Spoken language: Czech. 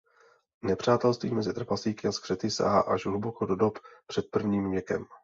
Nepřátelství mezi trpaslíky a skřety sahá až hluboko do dob před prvním věkem.